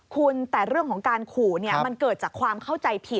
คุณแต่เรื่องของการขู่มันเกิดจากความเข้าใจผิด